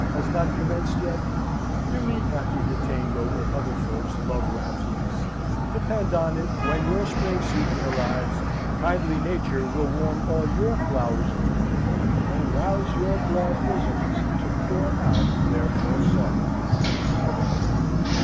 has not commenced yet, you need not be detained over other folks' love rhapsodies; depend on it, when your spring season arrives, kindly Nature will warm all your flowers into bloom, and rouse your glad bosoms to pour out their full song.